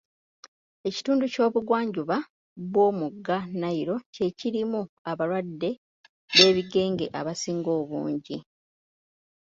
Ekitundu ky'obugwanjuba bw'omugga Nile ky'ekirimu abalwadde b'ebigenge abasinga obungi.